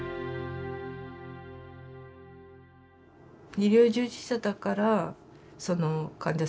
医療従事者だからその患者さんをね